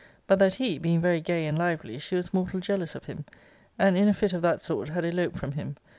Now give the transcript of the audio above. But that he, being very gay and lively, she was mortal jealous of him; and, in a fit of that sort, had eloped from him.